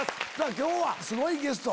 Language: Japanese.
今日はすごいゲスト！